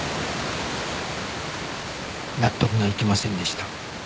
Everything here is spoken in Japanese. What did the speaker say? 納得がいきませんでした